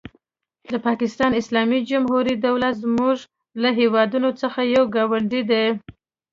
د پاکستان اسلامي جمهوري دولت زموږ له هېوادونو څخه یو ګاونډی دی.